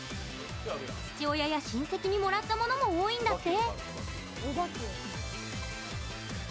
父親や親戚にもらったものも多いんだって！